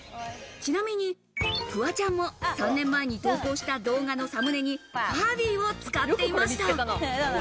ちなみに、フワちゃんも３年前に投稿した動画のサムネに、ファービーを使っていました。